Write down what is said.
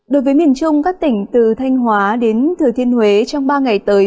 đối với miền trung các tỉnh từ thanh hóa đến thừa thiên huế trong ba ngày tới